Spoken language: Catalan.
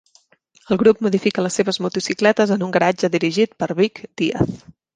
El grup modifica les seves motocicletes en un garatge dirigit per Vic Díaz.